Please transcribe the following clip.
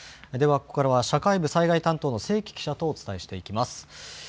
では、ここからは社会部災害担当の清木記者とお伝えしていきます。